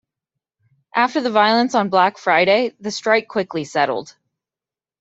After the violence on Black Friday, the strike quickly settled.